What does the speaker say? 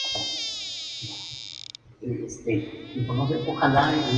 Puede haber merenderos específicos para la infancia, como los "merenderos infantiles".